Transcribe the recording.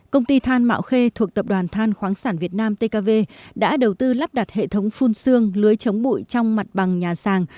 công ty than mạo khê thuộc tập đoàn than khoáng sản việt nam tkv đã đầu tư lắp đặt hệ thống phun xương lưới chống bụi trong mặt bằng nhà sàng